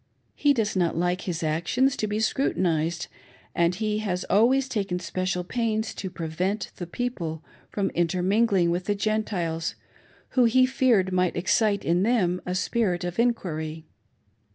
He does not like his actions to be scru tinized, and he has always taken special pains to prevent the people from intermingling with the Gentiles, who he feared might excite in them a spirit of inquiry.